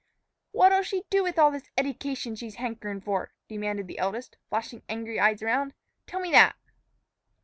"What'll she do with all this eddication she's hankerin' for?" demanded the eldest, flashing angry eyes around. "Tell me that."